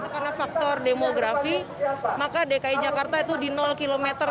karena faktor demografi maka dki jakarta itu di kilometer